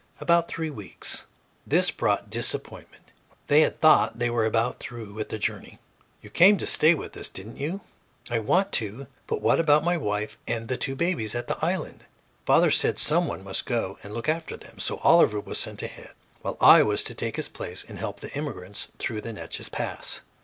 "About three weeks." This brought disappointment; they had thought they were about through with the journey. "You came to stay with us, didn't you?" "I want to; but what about my wife and the two babies, at the island?" Father said some one must go and look after them. So Oliver was sent ahead, while I was to take his place and help the immigrants through the Natchess Pass.